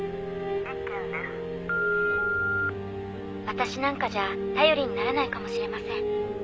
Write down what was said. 「私なんかじゃ頼りにならないかもしれません」